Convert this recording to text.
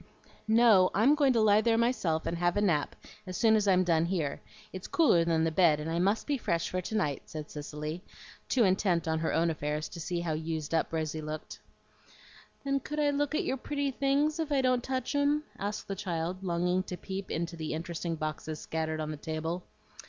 "No, I'm going to lie there myself and have a nap as soon as I'm done here. It's cooler than the bed, and I must be fresh for to night," said Cicely, too intent on her own affairs to see how used up Rosy looked. "Then could I look at your pretty things if I don't touch 'em?" asked the child, longing to peep into the interesting boxes scattered on the table.